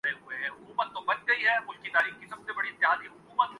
غربت کدے میں کس سے تری گفتگو کریں